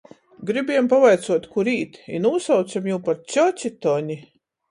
Gribiejom pavaicuot, kur īt, i nūsaucem jū par cjoci Toni.